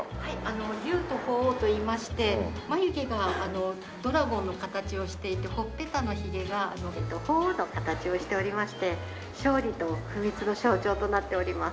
「龍と鳳凰」といいまして眉毛がドラゴンの形をしていてほっぺたのひげが鳳凰の形をしておりまして勝利と不滅の象徴となっております。